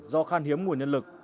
do khan hiếm nguồn nhân lực